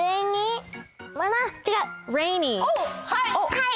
はい！